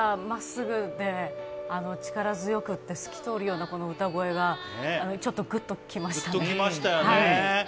真っ直ぐ力強くて透き通るような歌声がちょっとグッときましたね。